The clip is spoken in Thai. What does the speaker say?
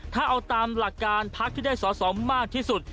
ถ้าเอาตามหลักการพักที่ได้สอสอมากที่สุด